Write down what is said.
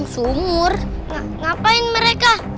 sumur ngapain mereka